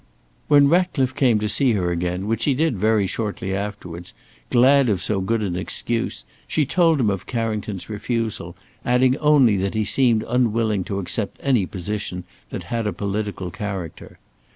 When Ratcliffe came to see her again, which he did very shortly afterwards, glad of so good an excuse, she told him of Carrington's refusal, adding only that he seemed unwilling to accept any position that had a political character.